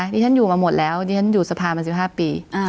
ดิฉันอยู่มาหมดแล้วดิฉันอยู่สภามา๑๕ปี